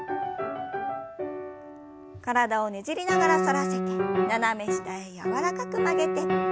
体をねじりながら反らせて斜め下へ柔らかく曲げて。